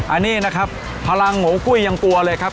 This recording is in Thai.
อันนี้นะครับพลังหมูกุ้ยยังกลัวเลยครับ